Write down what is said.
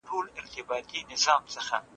ډیانا اینز لا هم د ناروغۍ د بیا پېښېدو ویره لري.